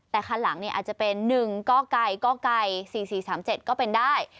แต่คันหลังอาจจะเป็น๑กก๔๔๓๗ก็เป็นได้